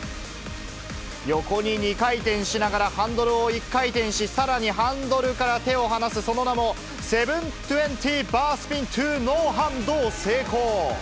横に２回転しながらハンドルを１回転し、さらにハンドルから手を離す、その名も、７２０バースピンｔｏノーハンドを成功。